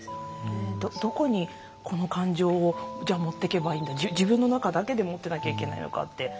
どこに、この感情を持っていけばいいんだ自分の中だけで持っていないといけないのかって